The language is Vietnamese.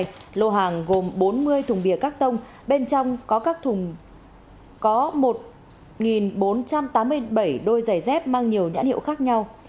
trong quá trình tuần tra lô hàng gồm bốn mươi thùng bìa các tông bên trong có một bốn trăm tám mươi bảy đôi giày dép mang nhiều nhãn hiệu khác nhau